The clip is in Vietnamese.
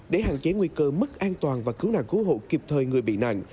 để hạn chế nguy cơ mất an toàn và cứu nạn cứu hộ kịp thời người bị nạn